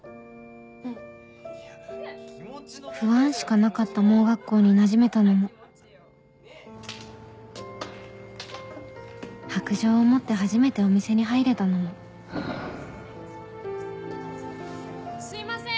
不安しかなかった盲学校になじめたのも白杖を持って初めてお店に入れたのもすいません！